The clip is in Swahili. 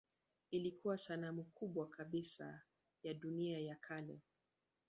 Ilikuwa sanamu kubwa kabisa ya dunia ya kale.